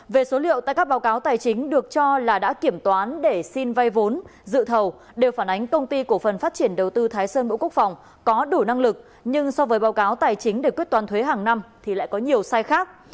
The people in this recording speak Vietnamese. về số liệu tại các báo cáo tài chính được cho là đã kiểm toán để xin vay vốn dự thầu đều phản ánh công ty cổ phần phát triển đầu tư thái sơn bộ quốc phòng có đủ năng lực nhưng so với báo cáo tài chính để quyết toán thuế hàng năm thì lại có nhiều sai khác